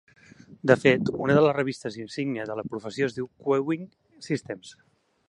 De fet, una de les revistes insígnia de la professió es diu "Queueing Systems".